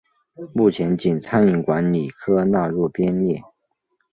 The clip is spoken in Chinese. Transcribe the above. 目前仅餐饮管理科纳入编列。